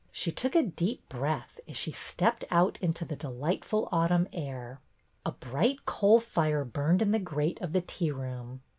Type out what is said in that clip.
She took a deep breath as she stepped out into the delightful autumn air. A bright coal fire burned in the grate of the tea room.